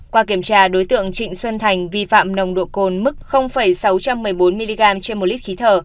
qua kiểm tra đối tượng trịnh xuân thành vi phạm nồng độ cồn mức sáu trăm một mươi bốn mg trên một lít khí thở